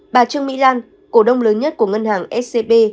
bà trương mỹ lan cổ đông lớn nhất của ngân hàng scb